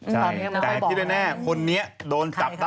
ตอนนี้มันค่อยบอกแบบนั้นแหละใช่แต่ที่แน่คนนี้โดนจับได้แล้วล่ะ